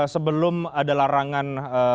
sebelum ada larangan